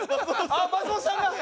あっ松本さんが！